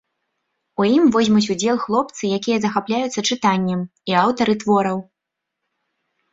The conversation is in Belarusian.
У ім возьмуць удзел хлопцы, якія захапляюцца чытаннем, і аўтары твораў.